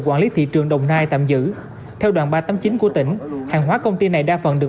quản lý thị trường đồng nai tạm giữ theo đoàn ba trăm tám mươi chín của tỉnh hàng hóa công ty này đa phần được